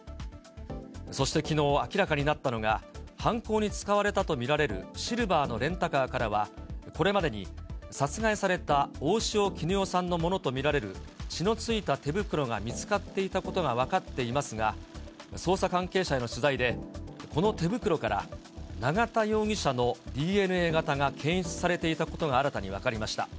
そして昨日、明らかになったのが、犯行に使われたと見られるシルバーのレンタカーからは、これまでに、殺害された大塩衣与さんのものと見られる血の付いた手袋が見つかっていたことが分かっていますが、捜査関係者への取材でこの手袋から永田容疑者のＤＮＡ型が検出されていたことが新たに分かりました。